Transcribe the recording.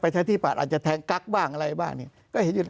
ประชาชนิษฐ์อาจจะแท๊งกลั๊กอะไรแบบนี้